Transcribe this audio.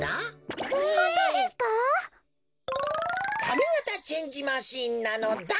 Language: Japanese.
かみがたチェンジマシンなのだ。